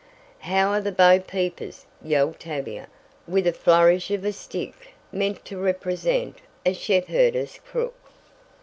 "How are the 'Bo Peepers'?" yelled Tavia, with a flourish of a stick meant to represent a shepherdess crook.